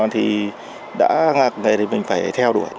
thì mình phải theo đuổi